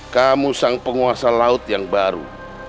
kamu sang penguasa laut yang baru